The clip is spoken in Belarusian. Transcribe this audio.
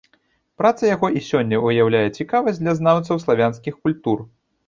Праца яго і сёння ўяўляе цікавасць для знаўцаў славянскіх культур.